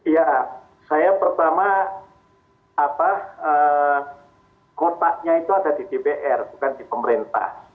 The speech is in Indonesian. ya saya pertama kotaknya itu ada di dpr bukan di pemerintah